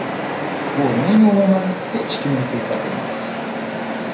• Bo‘rining o‘limi hech kimga kulfat emas.